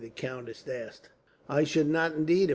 the countess asked. "I should not, indeed.